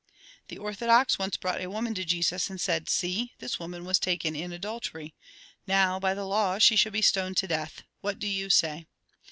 '' The orthodox once brought a woman to Jesus, and said :" See, this woman was taken in adultery. Now, by the law she should be stoned to death. What do you say